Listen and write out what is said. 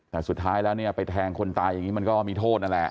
แต่สุดท้ายแล้วเนี่ยไปแทงคนตายอย่างนี้มันก็มีโทษนั่นแหละ